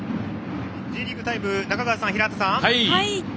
それでは、「Ｊリーグタイム」中川さん、平畠さん。